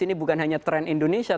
ini bukan hanya tren indonesia